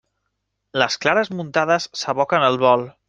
Les clares muntades s'aboquen al bol.